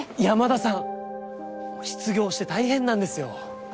山田さん失業して大変なんですよ。